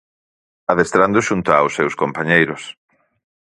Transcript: Adestrando xunto aos seus compañeiros.